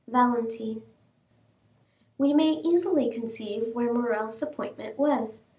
Valentine We may easily conceive where Morrel's appointment was.